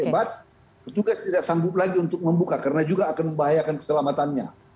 akibat petugas tidak sanggup lagi untuk membuka karena juga akan membahayakan keselamatannya